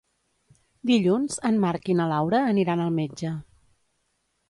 Dilluns en Marc i na Laura aniran al metge.